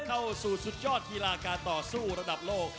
เข้าสู่สุดยอดกีฬาการต่อสู้ระดับโลก